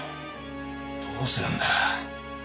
どうするんだ？